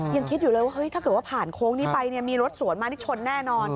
ยังคิดอยู่เลยว่าเฮ้ยถ้าเกิดว่าผ่านโค้งนี้ไปเนี่ยมีรถสวนมานี่ชนแน่นอน